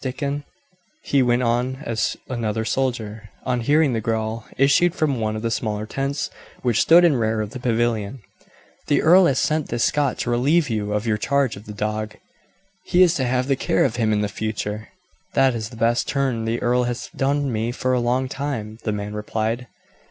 Dickon," he went on as another soldier, on hearing the growl, issued from one of the smaller tents which stood in rear of the pavilion, "the earl has sent this Scot to relieve you of your charge of the dog; he is to have the care of him in future." "That is the best turn the earl has done me for a long time," the man replied.